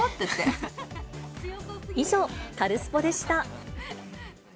以上、カルスポっ！でした。